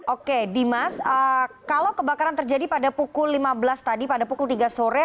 oke dimas kalau kebakaran terjadi pada pukul lima belas tadi pada pukul tiga sore